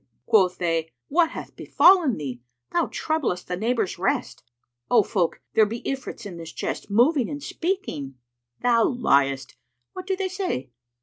Quoth they, "What hath befallen thee? Thou troublest the neighbours' rest." "O folk, there be Ifrits in the chest, moving and speaking." "Thou liest: what do they say?"